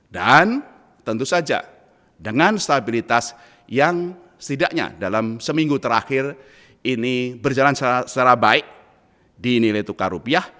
dan tentu saja dengan stabilitas yang setidaknya dalam seminggu terakhir ini berjalan secara baik di nilai tukar rupiah